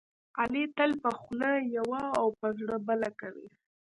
علي تل په خوله یوه او په زړه بله کوي.